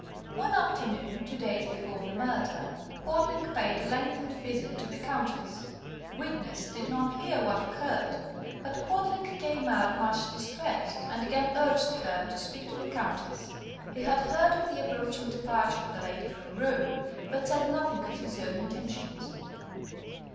"One afternoon (two days before the murder) Quadling paid a lengthened visit to the Countess. Witness did not hear what occurred, but Quadling came out much distressed, and again urged her to speak to the Countess. He had heard of the approaching departure of the lady from Rome, but said nothing of his own intentions.